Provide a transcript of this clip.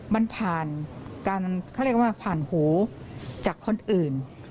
มันผ่านการเขาเรียกว่าผ่านหูจากคนอื่น